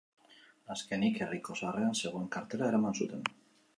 Azkenik, herriko sarreran zegoen kartela eraman zuten.